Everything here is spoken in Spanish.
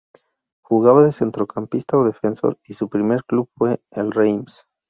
Jugaba de centrocampista o defensor y su primer club fue el Reims.